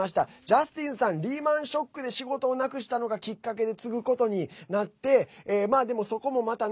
リーマンショックで仕事をなくしたのがきっかけで継ぐことになってでも、そこもまたね